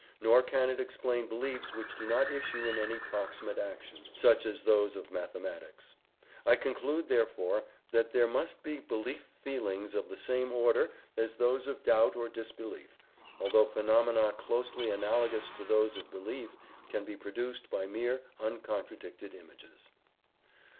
Nor can it explain beliefs which do not issue in any proximate action, such as those of mathematics. I conclude, therefore, that there must be belief feelings of the same order as those of doubt or disbelief, although phenomena closely analogous to those of belief can be produced by mere uncontradicted images.